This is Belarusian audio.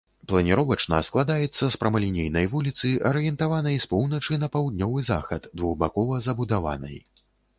Планіровачна складаецца з прамалінейнай вуліцы, арыентаванай з поўначы на паўднёвы захад, двухбакова забудаванай.